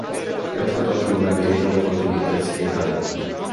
Cred că toată lumea merită oportunități egale.